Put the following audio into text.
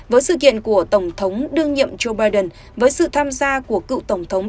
với sự kiện của tổng thống đương nhiệm joe biden với sự tham gia của cựu tổng thống